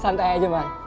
santai aja man